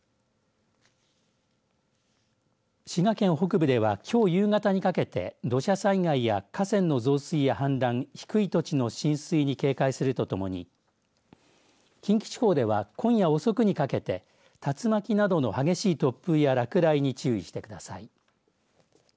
滋賀県北部ではきょう夕方にかけて土砂災害や河川の増水や氾濫低い土地の浸水に警戒するとともに近畿地方では、今夜遅くにかけて竜巻などの激しい突風や落雷に注意してください。